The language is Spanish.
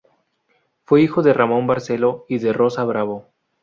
Fue hijo de Ramón Barceló y de Rosa Bravo.